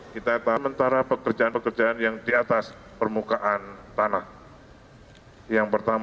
kita mencari sementara pekerjaan pekerjaan yang di atas permukaan tanah yang pertama